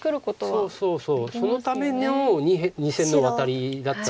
そうそうそうそのための２線のワタリだったんです。